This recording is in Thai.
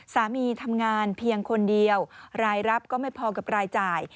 สามีทำงานเพียงคนเดียวรายรับก็ไม่พอกับรายจ่าย